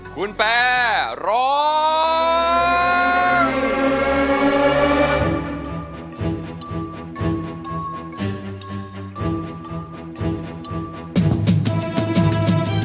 คุณแฟร์ร้อง